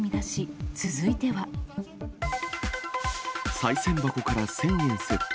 さい銭箱から１０００円窃盗。